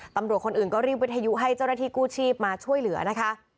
ตำรวจคนอื่นก็รีบวิทยุให้เจ้าหน้าที่กู้ชีพมาช่วยเหลือนะคะ